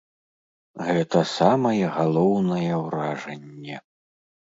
Гэта самае галоўнае ўражанне.